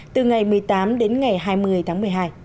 từ ngày một mươi tám đến ngày hai mươi tháng một mươi hai